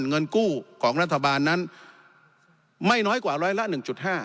เงินกู้ของรัฐบาลนั้นไม่น้อยกว่าร้อยละ๑๕